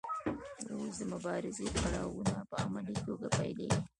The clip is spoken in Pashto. اوس د مبارزې پړاوونه په عملي توګه پیلیږي.